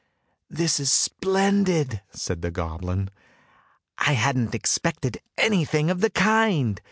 "This is splendid," said the goblin; "I hadn't expected anything of the kind!